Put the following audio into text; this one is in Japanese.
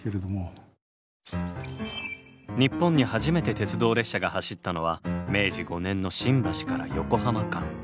日本に初めて鉄道列車が走ったのは明治５年の新橋から横浜間。